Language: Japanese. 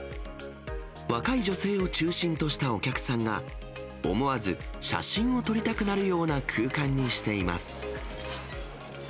若い女性を中心としたお客さんが、思わず写真を撮りたくなるような空間にしています。